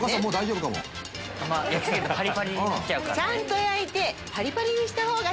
ちゃんと焼いて。